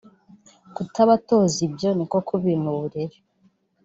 Kutabatoza ibyo ni ko kubima uburere